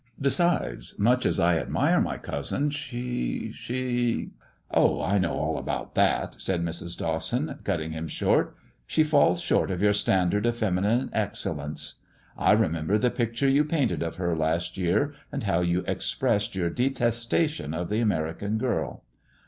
Besides, much as I admire my cousin, she — she "" Oh ! I know all about that," said Mrs. Dawson, cutting him short. " She falls short of your standard of feminine excellence. I remember the picture you painted of her last year, and how you expressed yoiu* detestation of the American girl.